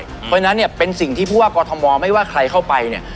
เพราะฉะนั้นเนี่ยเป็นสิ่งที่ผู้ว่ากอทมไม่ว่าใครเข้าไปเนี่ย